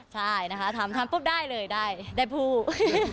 ใช่นะคะถามปุ๊บได้เลยได้ได้พูด